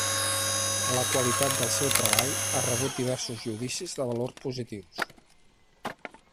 La qualitat del seu treball ha rebut diversos judicis de valor positius.